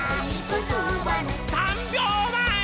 ３びょうまえ。